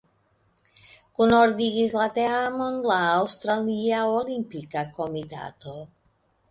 Kunordigis la teamon la Aŭstralia Olimpika Komitato.